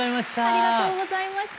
ありがとうございます。